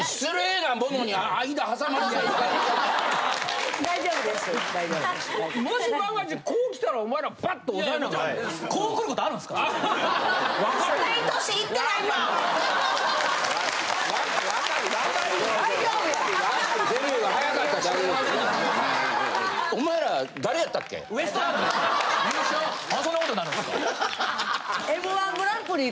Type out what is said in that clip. ・なんでそんなことなるんですか？